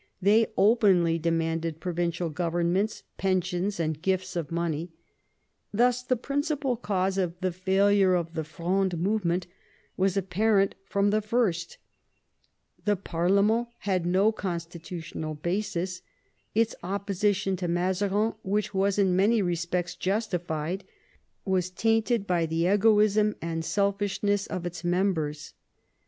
They openly demanded provincial governments, pensions, and gifts of money. Thus the principal cause of the failure of the Fronde movement was apparent from the first. The parlement had no constitutional basis ; its opposition to Mazarin, which was in many respects justified, was tainted by the egoism and selfishness of its members.